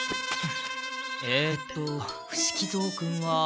えっと伏木蔵君は？